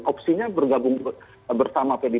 opsinya bergabung bersama pdi